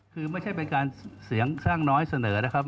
คือไม่ใช่เป็นการเสียงข้างน้อยเสนอนะครับ